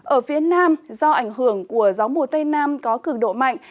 ở phía nam do ảnh hưởng của gió mùa tây nam có cực độ mạnh